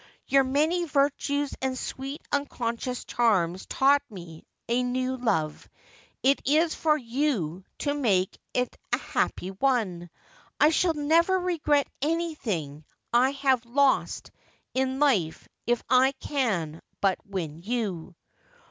Your many virtues and sweet, unconscious charms taught me a new love. It is for you to make it a happy one. I shall never regret anything I have lost in life if I can but win you.'